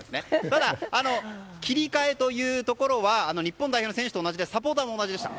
ただ、切り替えというところは日本代表の選手と同じでサポーターも同じでした。